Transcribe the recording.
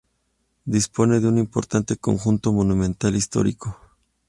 Dispone de un importante conjunto monumental histórico.